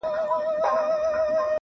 چي یې کټ ته دواړي پښې کړلې ور وړاندي-